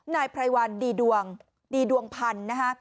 นายไพรวันดีดวงดีดวงพันธุ์นะฮะ